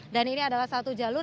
dan ini adalah satu jalur